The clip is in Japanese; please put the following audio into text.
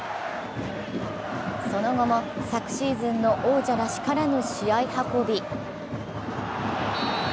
その後も昨シーズンの王者らしからぬ試合運び